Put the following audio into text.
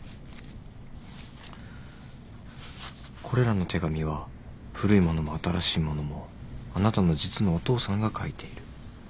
これらの手紙は古いものも新しいものもあなたの実のお父さんが書いている。